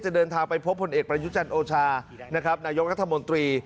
เดินทางไปพบผลเอกประยุจันทร์โอชานะครับนายกรัฐมนตรี